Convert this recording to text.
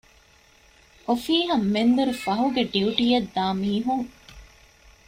އޮފީހަށް މެންދުރުފަހުގެ ޑިޔުޓީއަށް ދާމީހުން